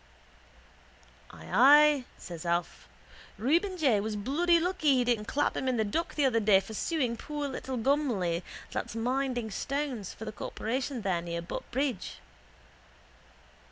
—Ay, says Alf. Reuben J was bloody lucky he didn't clap him in the dock the other day for suing poor little Gumley that's minding stones, for the corporation there near Butt bridge.